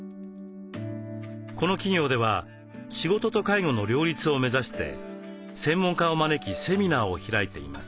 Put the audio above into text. この企業では仕事と介護の両立を目指して専門家を招きセミナーを開いています。